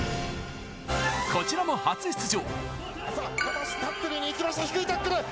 こちらも初出場。